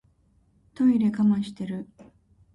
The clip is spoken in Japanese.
トイレ我慢してる